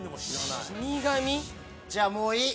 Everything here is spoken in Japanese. じゃあもういい。